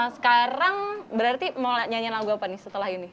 sekarang berarti mau nyanyi lagu apa nih setelah ini